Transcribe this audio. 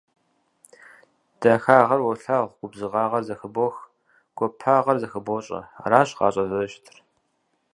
Дахагъэр уолъагъу, губзыгъагъэр зэхыбох, гуапагъэр зэхыбощӏэ. Аращ гъащӏэр зэрыщытыр.